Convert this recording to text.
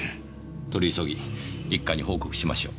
取り急ぎ一課に報告しましょう。